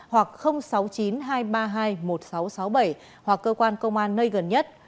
hoặc sáu mươi chín hai trăm ba mươi hai một nghìn sáu trăm sáu mươi bảy hoặc cơ quan công an nơi gần nhất